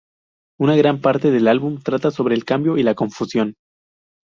Una gran parte del álbum trata sobre el cambio y la confusión".